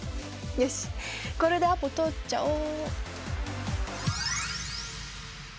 よしこれでアポ取っちゃおう。